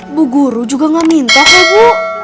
ibu guru juga gak minta ke bu